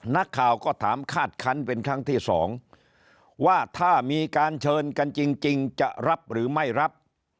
นักข่าวก็ถามคาดคันเป็นครั้งที่สองว่าถ้ามีการเชิญกันจริงจะรับหรือไม่รับ